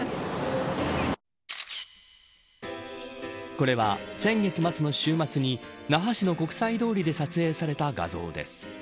これは先月末の週末に那覇市の国際通りで撮影された画像です。